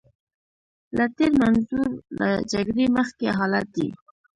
له تېر منظور له جګړې مخکې حالت دی.